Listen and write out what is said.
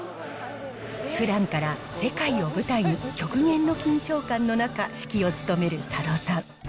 ふだんから世界を舞台に極限の緊張感の中、指揮を務める佐渡さん。